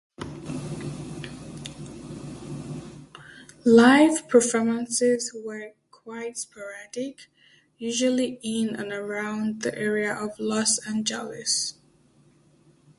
Live performances were quite sporadic, usually in and around the area of Los Angeles.